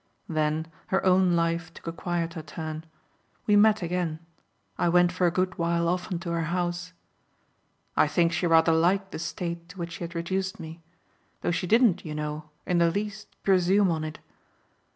Then her own life took a quieter turn; we met again; I went for a good while often to her house. I think she rather liked the state to which she had reduced me, though she didn't, you know, in the least presume on it.